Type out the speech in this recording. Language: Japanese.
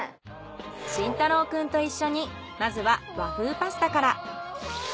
清太朗くんと一緒にまずは和風パスタから。